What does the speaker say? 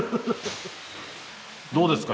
どうですか？